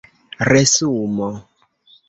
resumo